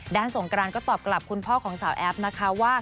สงกรานก็ตอบกลับคุณพ่อของสาวแอฟนะคะว่า